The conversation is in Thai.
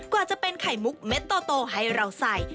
กว่าจะเป็นไข่มุกเม็ดโตให้เราใส่